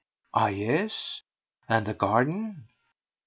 Ah, yes! And the garden?